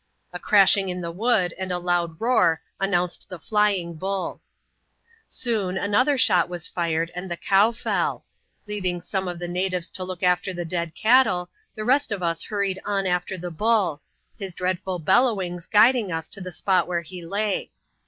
A crashing in the wood, and a loud roar, announced the flying bulL Soon, another shot was fired, and the cow felL Leaving some of the natives to look after the dead cattle, the rest of us hurried on after the bull ; his dreadful bellowings guiding us to the spot where he lay.